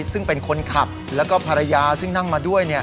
ซึ่งเป็นคนขับแล้วก็ภรรยาซึ่งนั่งมาด้วย